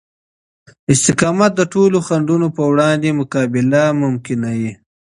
استقامت د ټولو خنډونو په وړاندې مقابله ممکنوي.